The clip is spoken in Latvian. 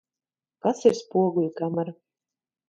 Kas ir spoguļkamera?